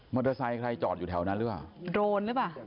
เตอร์ไซค์ใครจอดอยู่แถวนั้นหรือเปล่าโดรนหรือเปล่า